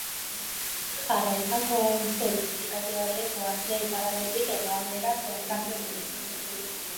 Jarraikakoa ez den mendikate batek uhartea iparraldetik hegoaldera zeharkatzen du.